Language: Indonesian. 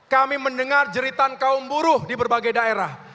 kami mendengar jeritan kaum buruh di berbagai daerah